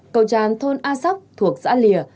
cầu tràn thôn a sóc thuộc xã lìa